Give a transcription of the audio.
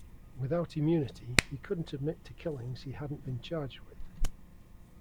Without immunity, he couldn't admit to killings he hadn't been charged with.